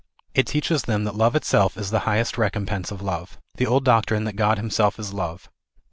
It teaches them that love itself is the highest recompense of love. The old doc trine that God himself is love.